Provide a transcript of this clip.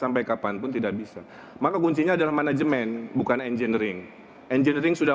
sampai kapanpun tidak bisa maka kuncinya adalah manajemen bukan engineering engineering sudah